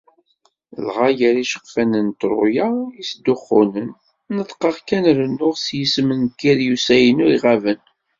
Dɣa gar yiceqfan n Ṭruya yesduxxunen, neṭṭqeɣ kan rennuɣ s yisem n Kriyusa-inu iɣaben.